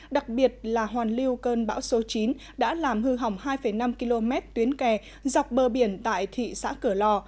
đặc biệt là hoàn lưu cơn bão số chín đã làm hư hỏng hai năm km tuyến kè dọc bờ biển tại thị xã cửa lò